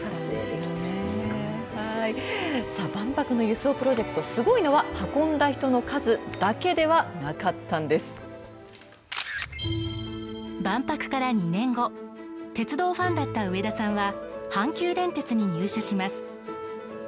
さあ、万博の輸送プロジェクトすごいのは運んだ人の数だけでは万博から２年後鉄道ファンだった上田さんは阪急電鉄に入社します。